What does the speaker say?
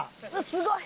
すごい。